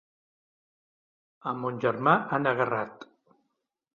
A mon germà han agarrat!